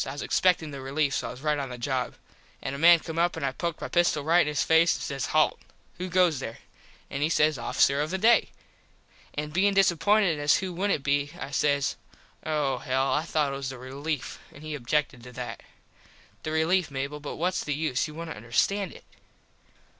I was expectin the relief so I was right on the job. An a man come up and I poked my pistol right in his face an says Halt. Who goes there? And he says Officer of the day. An bein disappointed as who wouldnt be I says Oh hell. I thought it was the relief. An he objected to that. The relief, Mable but whats the use you wouldnt understand it.